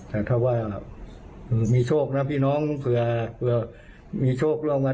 แต่ถ้าว่ามีโชคนะพี่น้องเผื่อเผื่อมีโชคลงอ่ะ